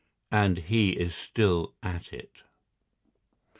And he is still at it.